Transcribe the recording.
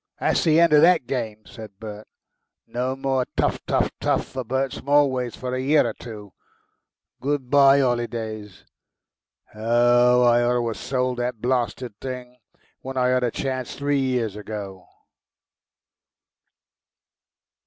"That's the end of THAT game!" said Bert. "No more teuf teuf teuf for Bert Smallways for a year or two. Good bye 'olidays!... Oh! I ought to 'ave sold the blasted thing when I had a chance three years ago."